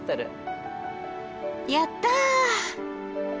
やった！